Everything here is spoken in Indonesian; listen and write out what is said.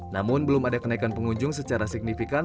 namun belum ada kenaikan pengunjung secara signifikan